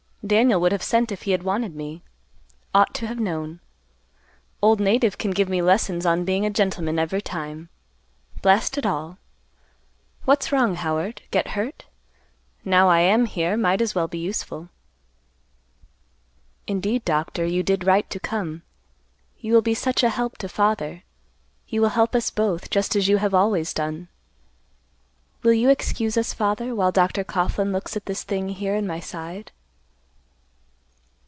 Daniel would have sent if he had wanted me. Ought to have known. Old native can give me lessons on being a gentleman every time. Blast it all! What's wrong, Howard? Get hurt? Now I am here, might as well be useful." "Indeed, Doctor, you did right to come. You will be such a help to father. You will help us both, just as you have always done. Will you excuse us, father, while Dr. Coughlan looks at this thing here in my side?"